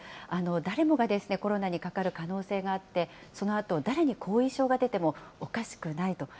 誰もがコロナにかかる可能性があって、そのあと誰に後遺症が出てもおかしくないと。